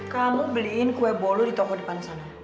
kamu belikan kue bolu di toko di depan sana